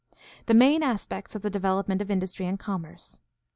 The main aspects of the development of industry and commerce.